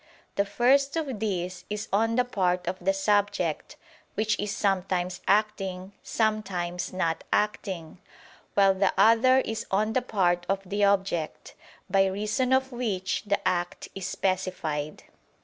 The first of these is on the part of the subject, which is sometimes acting, sometimes not acting: while the other is on the part of the object, by reason of which the act is specified.